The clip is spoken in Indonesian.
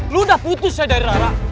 lo udah putus ya dari rara